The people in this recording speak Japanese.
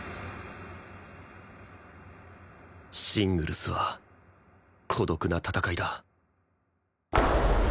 シングルスは孤独な戦いだ